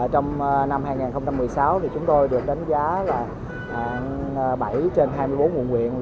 trong năm hai nghìn một mươi sáu chúng tôi được đánh giá bảy trên hai mươi bốn nguồn nguyện